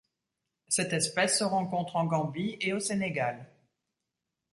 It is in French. Cette espèce se rencontre en Gambie et au Sénégal.